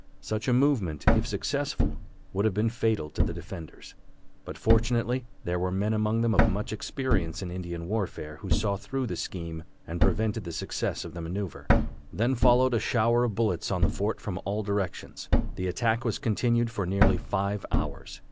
Such a movement, if successful, would have been fatal to the defenders; but fortunately there were men among them of much experience in Indian warfare, who saw through the scheme, and prevented the success of the maneuver. Then followed a shower of bullets on the fort from all directions. The attack was continued for nearly five hours.